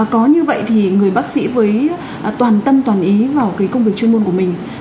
có như vậy thì người bác sĩ với toàn tâm toàn ý vào công việc chuyên môn của mình